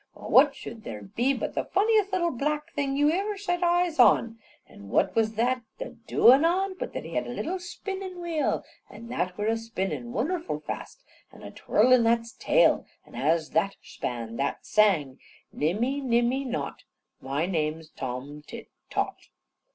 Well, what should there be but the funniest little black thing yew iver set eyes on. An' what was that a dewin' on, but that had a little spinnin' wheel, an' that were a spinnin' wonnerful fast, an' a twirlin' that's tail. An' as that span, that sang: "Nimmy, nimmy not, My name's Tom Tit Tot."